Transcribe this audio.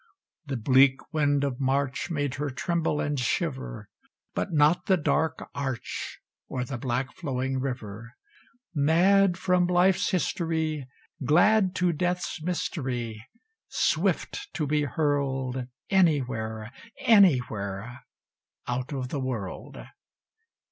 The bleak wind of March Made her tremble and shiver; But not the dark arch, Or the black flowing river: Mad from life's history, Glad to death's mystery, Swit to be hurl'd Any where, any where Out of the world!